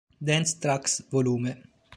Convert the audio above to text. Dance Tracks Vol.